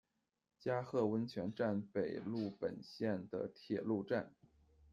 加贺温泉站北陆本线的铁路站。